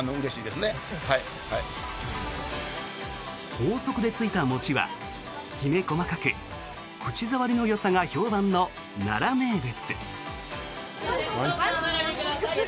高速でついた餅はきめ細かく口触りのよさが評判の奈良名物。